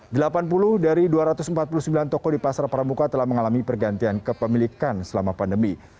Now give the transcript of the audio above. delapan puluh dari dua ratus empat puluh sembilan toko di pasar pramuka telah mengalami pergantian kepemilikan selama pandemi